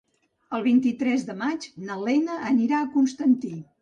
El vint-i-tres de maig na Lena anirà a Constantí.